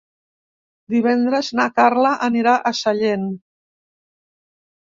Divendres na Carla anirà a Sellent.